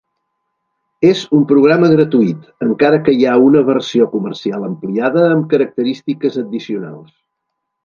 És un programa gratuït, encara que hi ha una versió comercial ampliada amb característiques addicionals.